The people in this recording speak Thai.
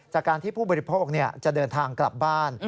จากการที่ผู้บริโภคจะเดินทางกลับบ้าน